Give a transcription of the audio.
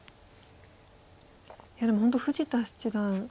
いやでも本当富士田七段